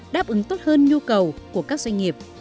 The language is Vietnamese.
đáp ứng tốt hơn nhu cầu của các doanh nghiệp